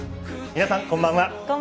皆さん、こんばんは。